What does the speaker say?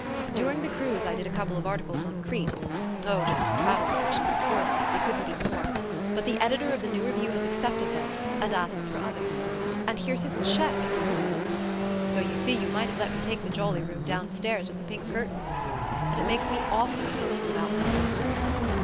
"During the cruise I did a couple of articles on Crete oh, just travel impressions, of course; they couldn't be more. But the editor of the New Review has accepted them, and asks for others. And here's his cheque, if you please! So you see you might have let me take the jolly room downstairs with the pink curtains. And it makes me awfully hopeful about my book."